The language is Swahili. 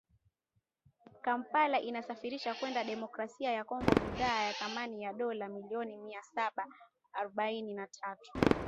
Kampala inasafirisha kwenda Demokrasia ya Kongo bidhaa za thamani ya dola milioni mia saba arobaini na tatu